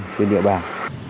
người địa bàn